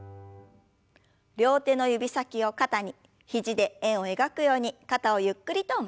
両手の指先を肩に肘で円を描くように肩をゆっくりと回しましょう。